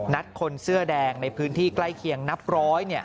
คนเสื้อแดงในพื้นที่ใกล้เคียงนับร้อย